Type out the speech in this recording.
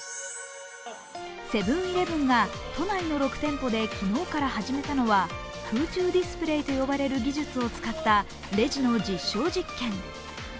セブン−イレブンが都内の６店舗で昨日から始めたのは空中ディスプレイと呼ばれる技術を使ったレジの実証実験。